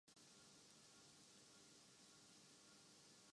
یمن میں نوجوانوں کی زندگی